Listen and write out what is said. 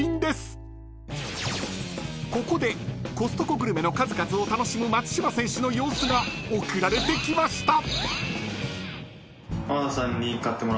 ［ここでコストコグルメの数々を楽しむ松島選手の様子が送られてきました］